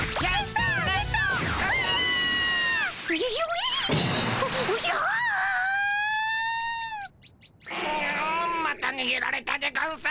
くまたにげられたでゴンス。